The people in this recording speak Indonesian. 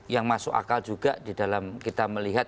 yang masuk akal juga di dalam kita melihat